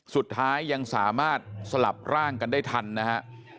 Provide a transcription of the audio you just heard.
สุดท้ายยังสามารถสลับร่างกันได้ทันนะฮะ